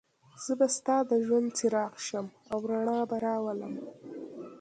زه به ستا د ژوند څراغ شم او رڼا به راولم.